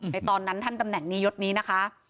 ตอนนั้นท่านตำแหน่งนี้ยศนี้นะคะ